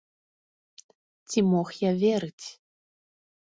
Ці мог я верыць?